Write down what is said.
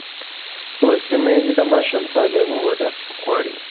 لوستې میندې د ماشوم سالمه وده غواړي.